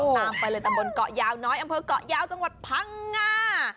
ตามไปเลยตำบลเกาะยาวน้อยอำเภอกเกาะยาวจังหวัดพังงา